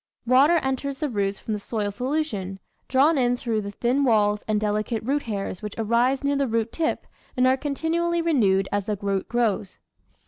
Water enters the roots from the soil solution, drawn in through the thin walled and delicate root hairs which arise near the root tip and are continually renewed as the root grows.